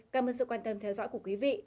cảm ơn sự quan tâm theo dõi của quý vị